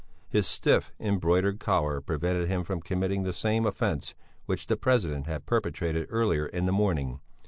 His stiff, embroidered collar prevented him from committing the same offence which the president had perpetrated earlier in the morning.